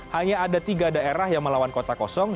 hanya ada tiga daerah yang melawan kota kosong